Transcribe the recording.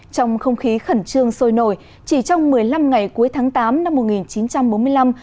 trong không khí khẩn trương sôi nổi chỉ trong một mươi năm ngày cuối tháng tám năm một nghìn chín trăm bốn mươi năm